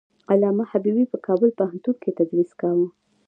علامه حبيبي په کابل پوهنتون کې تدریس کاوه.